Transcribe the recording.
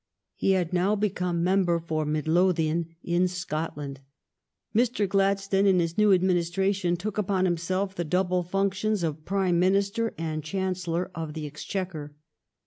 He had now become member for Midlothian in Scotland. Mr. Gladstone, in his new administra tion, took upon himself the double functions of Prime Minister and Chancellor of the Exchequer.